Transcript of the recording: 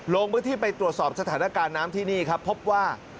ลงพื้นที่ไปตรวจสอบสถานการณ์น้ำที่นี่ครับพบว่า